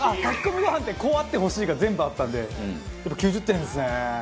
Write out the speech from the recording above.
炊き込みご飯ってこうあってほしいが全部あったんで９０点ですね。